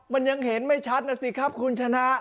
มันยังเห็นไม่ชัดนะสิครับคุณชนะ